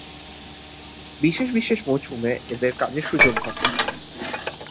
বিশেষ বিশেষ মৌসুমে এদের কাজের সুযোগ ঘটে।